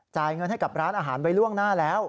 จ่ายเงินให้กับร้านอาหารไว้ล่วงหน้าแล้ว